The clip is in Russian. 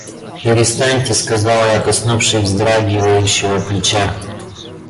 — Перестаньте, — сказал я, коснувшись вздрагивающего плеча.